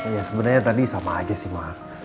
ya sebenernya tadi sama aja sih ma